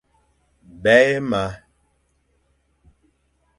Bèye ma.